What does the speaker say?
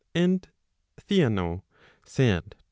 And Theano said to.